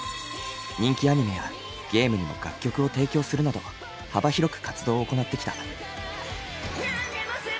人気アニメやゲームにも楽曲を提供するなど幅広く活動を行ってきた。